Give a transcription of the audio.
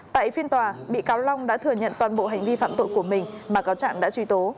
tại phiên tòa bị cáo long đã thừa nhận toàn bộ hành vi phạm tội của mình mà cáo trạng đã truy tố